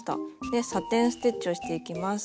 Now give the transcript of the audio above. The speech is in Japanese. でサテン・ステッチをしていきます。